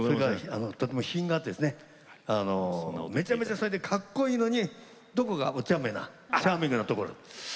品があって、めちゃめちゃそれで、かっこいいのにどこか、おちゃめなチャーミングなところ。